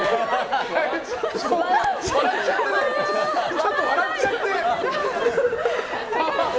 ちょっと笑っちゃって。